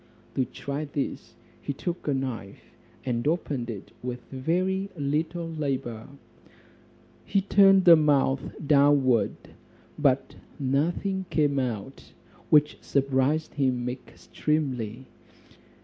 To try this, he took a knife, and opened it with very little labour. He turned the mouth downward, but nothing came out; which surprised him extremely.